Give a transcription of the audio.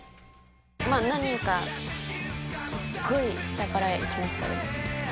まあ何人かすっごい下からいきましたでも。